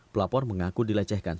pelapor mengaku dilecehkan